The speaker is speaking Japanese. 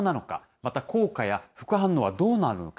また効果や副反応はどうなるのか。